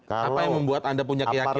apa yang membuat anda punya keyakinan